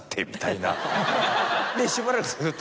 でしばらくすると。